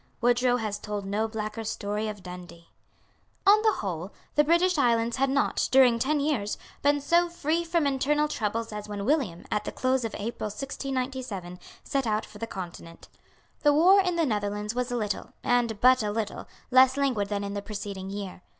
Wodrow has told no blacker story of Dundee. On the whole, the British islands had not, during ten years, been so free from internal troubles as when William, at the close of April 1697, set out for the Continent. The war in the Netherlands was a little, and but a little, less languid than in the preceding year.